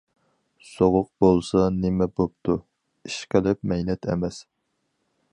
- سوغۇق بولسا نېمە بوپتۇ، ئىشقىلىپ مەينەت ئەمەس.